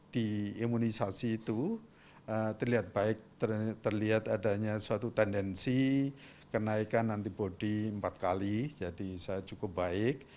di imunisasi itu terlihat baik terlihat adanya suatu tendensi kenaikan antibody empat kali jadi saya cukup baik